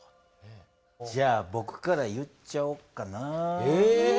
じゃあぼくから言っちゃおっかな。